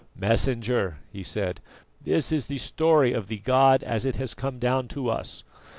"Messenger," he said, "this is the story of the god as it has come down to us.